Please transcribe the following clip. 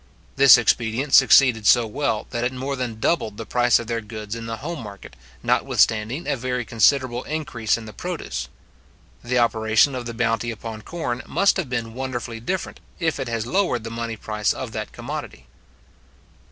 This expedient succeeded so well, that it more than doubled the price of their goods in the home market, notwithstanding a very considerable increase in the produce. The operation of the bounty upon corn must have been wonderfully different, if it has lowered the money price of that commodity.